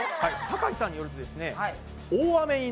酒井さんによるとですね